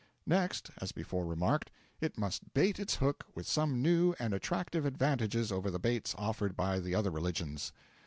Next, as before remarked, it must bait its hook with some new and attractive advantages over the baits offered by the other religions.